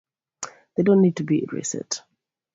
They don't need to be reset.